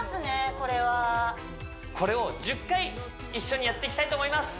これはこれを一緒にやっていきたいと思います